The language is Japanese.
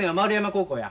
高校や。